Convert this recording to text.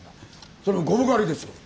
それも五分刈りですよ。